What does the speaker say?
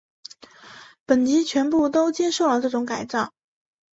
本级全部都接受了这种改造。